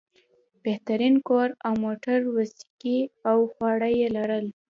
بهترین کور او موټر او ویسکي او خواړه یې لرل.